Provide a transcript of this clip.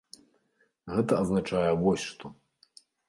Гэта азначае вось што.